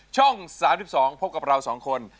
ช่อง๓๒พบกับเรา๒คน